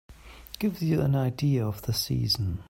Gives you an idea of the season.